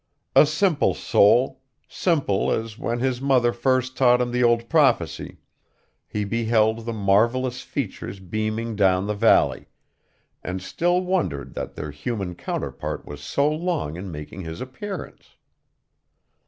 A simple soul simple as when his mother first taught him the old prophecy he beheld the marvellous features beaming adown the valley, and still wondered that their human counterpart was so long in making his appearance.